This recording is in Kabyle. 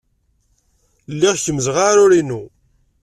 Lliɣ kemmzeɣ aɛrur-inu.